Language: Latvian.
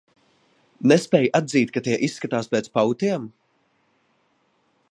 Nespēj atzīt, ka tie izskatās pēc pautiem?